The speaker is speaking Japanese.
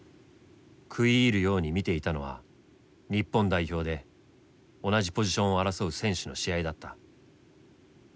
食い入るように見ていたのは日本代表で同じポジションを争う選手の試合だった。